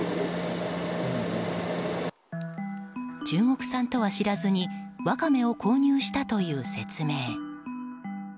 中国産とは知らずにワカメを購入したという説明。